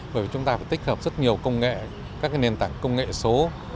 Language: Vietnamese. bởi vì chúng ta phải tích hợp rất nhiều công nghệ các nền tảng công nghệ số